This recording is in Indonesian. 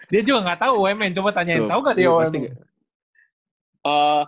dia juga gak tau umn coba tanyain tau gak dia umn